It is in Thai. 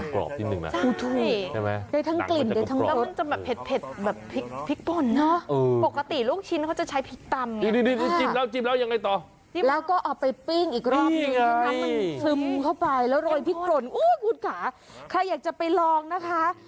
ใครอยากจะไปลองนะคะ